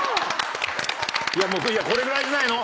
もうこれぐらいじゃないの？